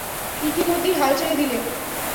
ইতিমধ্যেই হাল ছেড়ে দিলে?